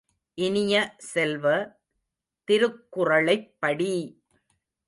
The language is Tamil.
இனிய செல்வ, திருக்குறளைப் படி!